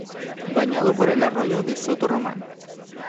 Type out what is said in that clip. Bañado por el arroyo de Soto Román.